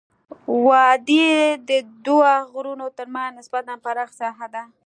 وادي د دوه غرونو ترمنځ نسبا پراخه ساحه ده.